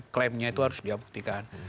klaimnya itu harus dia buktikan